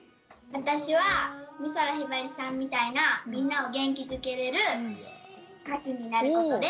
私は美空ひばりさんみたいなみんなを元気づけれる歌手になることです。